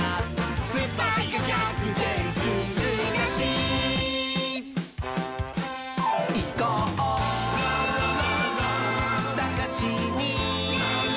「スパイがぎゃくてんするらしい」「いこうさがしに！」